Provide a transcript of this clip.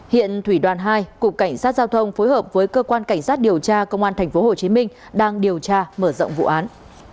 hiện thủy đoàn hai cục cảnh sát giao thông phối hợp với cơ quan cảnh sát điều tra công an tp hcm đang điều tra mở rộng vụ án